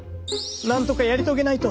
なんとかやり遂げないと。